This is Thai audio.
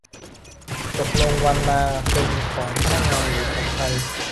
ตกลงวันลาเป็นของพนักงานหรือของใคร